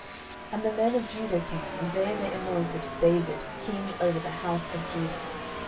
10:002:004 And the men of Judah came, and there they anointed David king over the house of Judah.